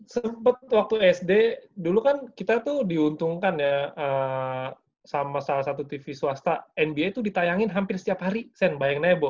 sempet waktu sd dulu kan kita tuh diuntungkan ya sama salah satu tv swasta nba tuh ditayangin hampir setiap hari sen bayangin aja bu